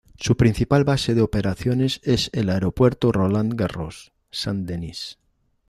Su principal base de operaciones es el Aeropuerto Roland Garros, St Denis.